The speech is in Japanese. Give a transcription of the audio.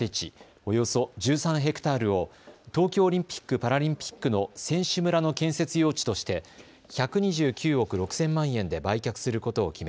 およそ１３ｈａを東京オリンピック・パラリンピックの選手村の建設用地として１２９億６０００万円で売却することを決め、